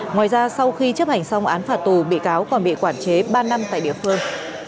ngoài ra sau khi chấp hành xong án phạt tù bị cáo còn bị quản chế ba năm tại địa phương